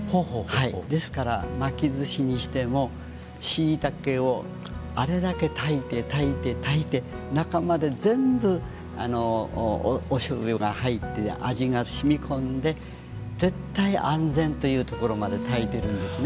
ですから巻きずしにしてもしいたけをあれだけ炊いて炊いて炊いて中まで全部おしょうゆが入って味が染み込んで絶対安全というところまで炊いてるんですね